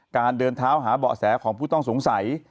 เดินเท้าหาเบาะแสของผู้ต้องสงสัย